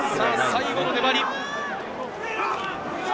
最後の粘り。